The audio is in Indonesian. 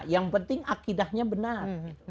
yang penting akidahnya benar